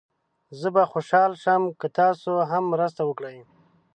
زه به خوشحال شم که تاسو هم مرسته وکړئ.